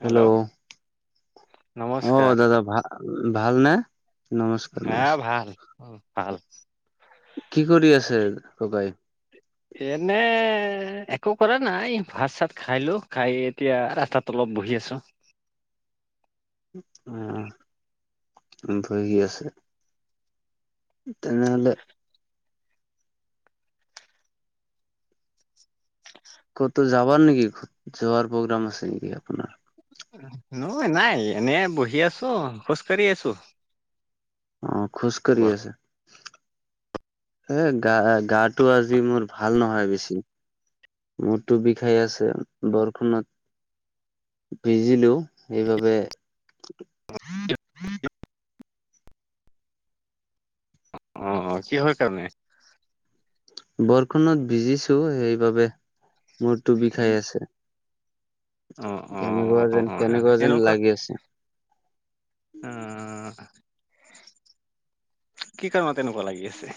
Hello অ' নমস্কাৰ দাদা ভাল-ভাল নে? নমস্কাৰ, আহ ভাল ভাল নমস্কাৰ কি কৰি আছে ককাই? এনে একো কৰা নাই ভাত-চাত খাই লোঁ খাই এতিয়া ৰাস্তাত। ত অলপ বহি আছোঁ। [unintelligible] বহি আছে। তেনেহ'লে ক'তো যাবা নেকি যোৱাৰ প্ৰগ্ৰাম আছে নেকি আপোনাৰ? নহয় নাই এনে বহি আছোঁ খোজ কাঢ়ি আছোঁ। অ' খুচ কাৰি আছে এ গা-গাটো আজি মোৰ ভাল নহয় বেছি মোৰ টো বিষাই আছে বৰষুণত। ভিজিলোঁ এইবাবে। [inaudible] অ' অ'কি হয় কাৰণে? বৰষুণত বিজিছো সেইবাবে মোৰটো বিষাই আছে। অ অ কেনেকুৱা অ যেন, কেনেকুৱা যেন এনেকুৱা লাগি আছে। আহ [inaudible] কি কাৰণত এনেকুৱা লাগি আছে?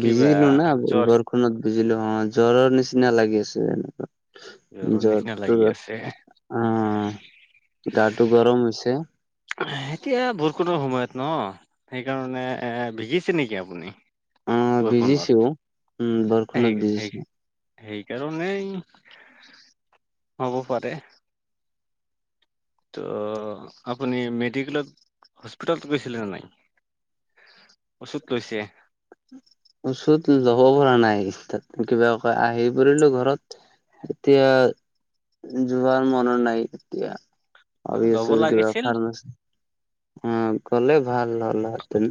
কিবা বিজিলোঁ না জ্বৰ বৰষুত বুজিলোঁ অ' জ্বৰৰ নিচিনা লাগি আছে জ্বৰৰ [unintelligible] জ্বৰ নিচিনা তো লাগি আছে [unintelligible] অ' গাটো গৰম হৈছে। এতিয়া বৰষুণৰ সময়ত ন, সেইকাৰণে এ ভিজিছে নেকি আপুনি? অ ভিজিছো বৰষুণত উম বৰষুণত এই, সেই ভিজিছো সেইকাৰণেই হ'ব পাৰে। তো আপুনি মেডিকেলত হস্পিটেলত গৈছিলে নে নাই। অচুত লৈছে। ওচুত ল'ব পৰা নাই তাত কিবা আহি পৰিলো ঘৰত। এতিয়া যোৱাৰ মন নাই এতিয়া। আৰু ল'ব আছো কিবা লাগিছিল কাৰণ আছে। অ গলে ভাল হ'লতেন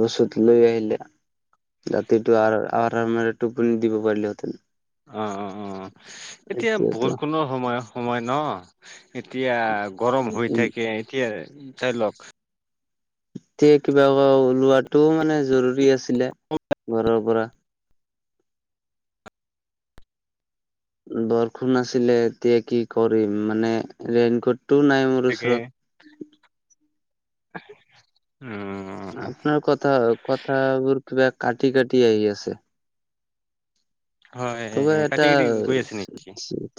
লচুত লৈ আহিল। এতিয়া ৰাতিটো টোপনি দিব পাৰিলে হেঁতেন অ অ অ এতিয়া এতিয়াতো বৰষুণৰ সময় সময় ন এতিয়া গৰম হৈ থাকে এতিয়া ধৰি লওক এতিয়া কিবা ওলোৱাটোও মানে জৰুৰী আছিলে ঘৰৰ পৰা বৰষুণ আছিলে এতিয়া কি কৰিম মানে ৰেইনকোটটোও নাই মোৰ থাকে ওচৰত উ আপোনাৰ কথা কথাবোৰ কিবা কাটি কাটি আহি আছে হয় তোমাৰ কাটি এটা কাটি গৈ আছে নেকি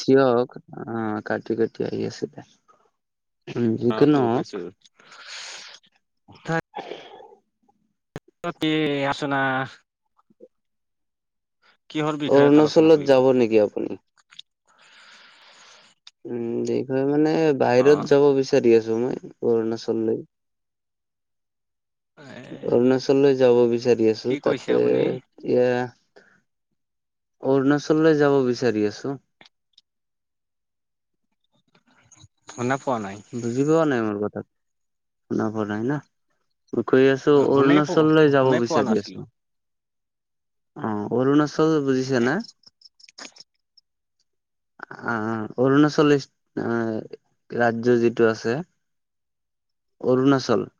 থিয়ক অ কাতি কাতি আহি আছিলে যিকি অ নহওক হৈছে হয় অপিচ আছানা কিহৰ বিষয়ত আলোচনা অৰুণাচলত কৰিব যাব নেকি আপুনি উম দে মানে অ বাহিৰত যাব বিচাৰি আছো মই অৰুণাচল লৈ এ অৰুণাচললৈ যাব বিচাৰি আছো কি কৈছে তাতে আপুনি এ অৰুণাচললৈ যাব বিচাৰি আছো সোনা পোৱা নাই বুজি পোৱা নাই মোৰ কথা না পৰা নাই ন মই কৰি আছো শুনাই পোৱা অৰুণাচললৈ যাব শুনাই পোৱা বিচাৰি নাছিলো আছো অ অৰুণাচল বুজিছে না অ অৰুণাচল ৰাজ ৰাজ্য যিটো আছে অৰুণাচল